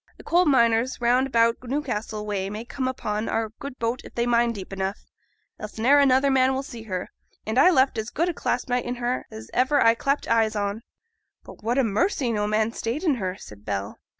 Th' coal miners round about Newcastle way may come upon our good boat if they mine deep enough, else ne'er another man will see her. And I left as good a clasp knife in her as ever I clapt eyes on.' 'But what a mercy no man stayed in her,' said Bell.